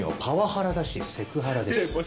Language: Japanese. パワハラだしセクハラです。